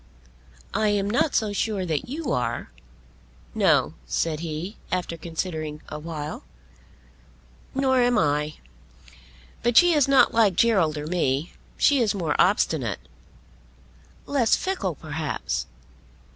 "I am not so sure that you are." "No," said he, after considering awhile; "nor am I. But she is not like Gerald or me. She is more obstinate." "Less fickle perhaps."